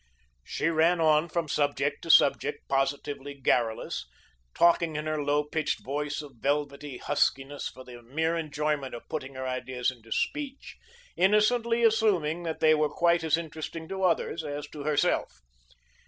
She ran on from subject to subject, positively garrulous, talking in her low pitched voice of velvety huskiness for the mere enjoyment of putting her ideas into speech, innocently assuming that they were quite as interesting to others as to herself.